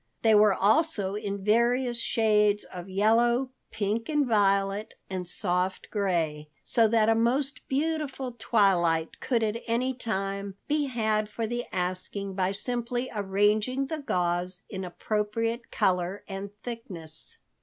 They were also in various shades of yellow, pink and violet and soft gray, so that a most beautiful twilight could at any time be had for the asking by simply arranging the gauze in appropriate color and thickness.